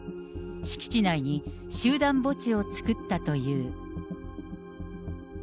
敷地内に集団墓地を作ったという。